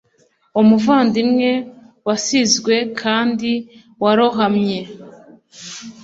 umuvandimwe wasizwe kandi warohamye,